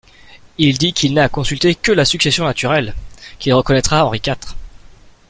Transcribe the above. Il dit qu'il n'a à consulter que la succession naturelle, qu'il reconnaîtra Henri quatre.